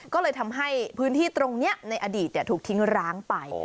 ก็เลยทำให้พื้นที่ตรงนี้ในอดีตถูกทิ้งร้างไป